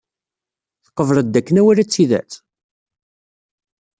Tqebled dakken awal-a d tidet?